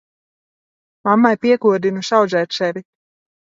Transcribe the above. Mammai piekodinuu saudzēt sevi.